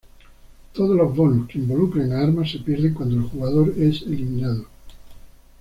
Todos los bonus que involucren a armas se pierden cuando el jugador es eliminado.